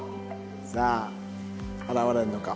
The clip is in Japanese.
さあ現れるのか？